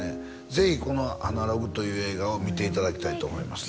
ぜひこの「アナログ」という映画を見ていただきたいと思いますね